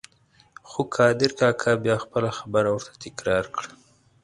خو قادر کاکا بیا خپله خبره ورته تکرار کړه.